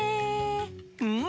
うん！